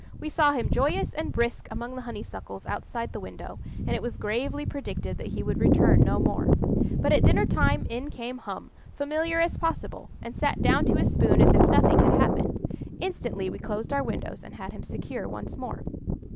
We saw him joyous and brisk among the honeysuckles outside the window, and it was gravely predicted that he would return no more. But at dinner time in came Hum, familiar as possible, and sat down to his spoon as if nothing had happened. Instantly we closed our windows and had him secure once more.